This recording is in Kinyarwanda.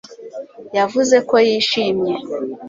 Yavuze ko yishimye